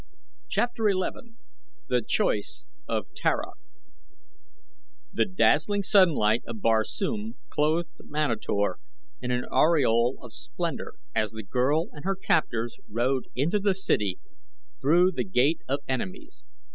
CHAPTER XI THE CHOICE OF TARA The dazzling sunlight of Barsoom clothed Manator in an aureole of splendor as the girl and her captors rode into the city through The Gate of Enemies.